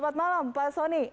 selamat malam pak soni